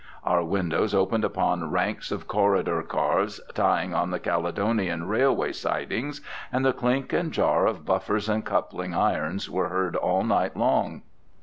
Our windows opened upon ranks of corridor cars tying on the Caledonian Railway sidings, and the clink and jar of buffers and coupling irons were heard all night long.